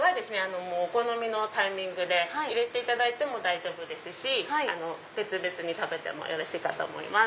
お好みのタイミングで入れていただいて大丈夫ですし別々に食べてもよろしいかと思います。